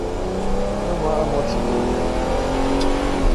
Não há amor sem dor.